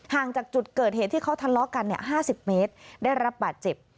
จากจุดเกิดเหตุที่เขาทะเลาะกัน๕๐เมตรได้รับบาดเจ็บ